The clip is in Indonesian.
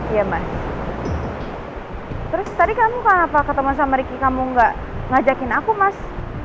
iya mbak terus tadi kamu kenapa ketemu sama ricky kamu gak ngajakin aku mas